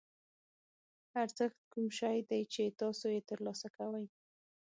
ارزښت کوم شی دی چې تاسو یې ترلاسه کوئ.